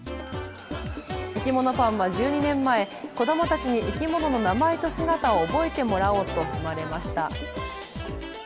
いきものパンは１２年前、子どもたちに生き物の名前と姿を覚えてもらおうと生まれました。